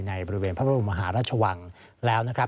ในบริเวณพระบรมมหาราชวังแล้วนะครับ